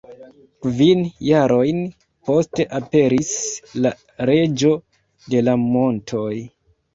Kvin jarojn poste aperis La Reĝo de la Montoj.